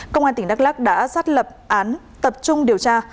công an tỉnh đắk lắc đã xác lập án tập trung điều tra